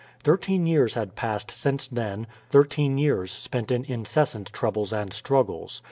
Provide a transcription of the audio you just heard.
Thirteen years had passed since then, thirteen years spent in incessant troubles and struggles.